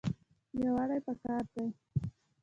یووالی پکار دی